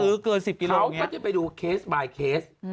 เกิน๑๐กิโลเขาก็จะไปดูเคสบายเคส